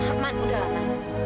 aman udah aman